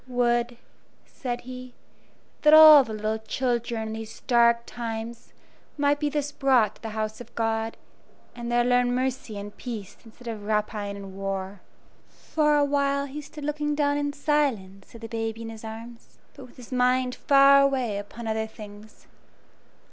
"Would," said he, "that all the little children in these dark times might be thus brought to the house of God, and there learn mercy and peace, instead of rapine and war." For a while he stood looking down in silence at the baby in his arms, but with his mind far away upon other things.